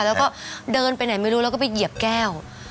แล้วก็เดินไปไหนไม่รู้แล้วก็ไปเหยียบแก้ว